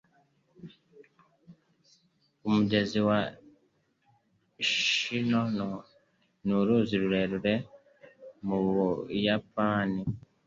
Umugezi wa Shinano ni uruzi rurerure mu Buyapani.